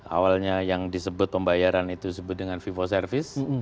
awalnya yang disebut pembayaran itu disebut dengan vivo service